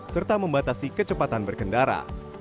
serta membatasi kecepatan berkendara